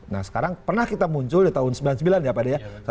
nah sekarang pernah kita muncul di tahun sembilan puluh sembilan ya pak de ya